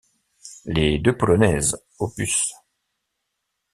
Les deux polonaises op.